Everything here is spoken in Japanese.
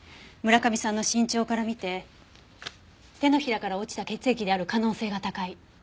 村上さんの身長から見て手のひらから落ちた血液である可能性が高い。